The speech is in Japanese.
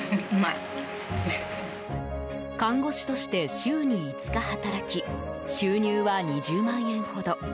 看護師として週に５日働き収入は２０万円ほど。